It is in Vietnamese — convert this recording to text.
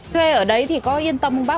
thuê ở đấy thì có yên tâm không bác